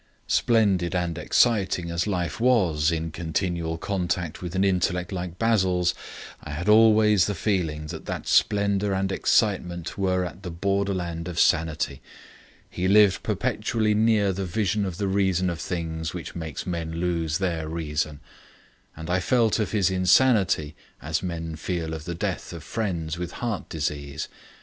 Splendid and exciting as life was in continual contact with an intellect like Basil's, I had always the feeling that that splendour and excitement were on the borderland of sanity. He lived perpetually near the vision of the reason of things which makes men lose their reason. And I felt of his insanity as men feel of the death of friends with heart disease.